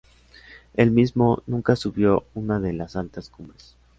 Él mismo nunca subió una de las altas cumbres.